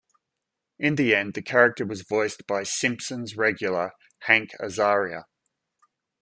In the end, the character was voiced by "Simpsons" regular Hank Azaria.